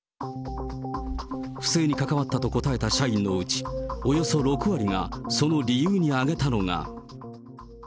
不正に関わったと答えた社員のうち、およそ６割が、その理由に挙げたのが。